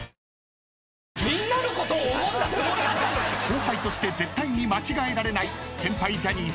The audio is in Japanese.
［後輩として絶対に間違えられない］